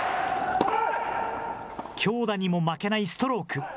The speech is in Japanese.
強打にも負けないストローク。